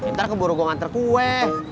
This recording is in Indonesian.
ntar keburu kok ngantar kue